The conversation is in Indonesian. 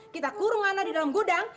kita kurung anak di dalam gudang